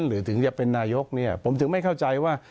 หรือถึงจะเป็นนายกเนี่ยผมถึงไม่เข้าใจว่า